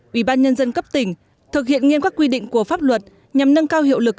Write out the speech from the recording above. ủy ban nhân dân cấp tỉnh thực hiện nghiêm các quy định của pháp luật nhằm nâng cao hiệu lực